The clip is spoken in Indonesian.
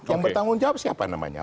yang bertanggung jawab siapa namanya